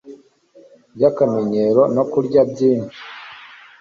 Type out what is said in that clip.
by’akamenyero, no kurya nyinshi. …